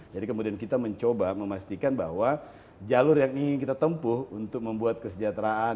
jadi kemudian kita mencoba memastikan bahwa jalur yang ingin kita tempuh untuk membuat kesejahteraan